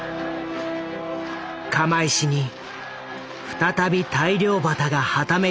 釜石に再び大漁旗がはためいた。